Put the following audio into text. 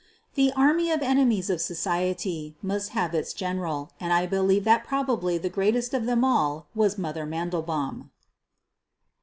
The army of enemies of society must have its gen eral, and I believe that probably the greatest of them all was "Mother" Mandelbaum.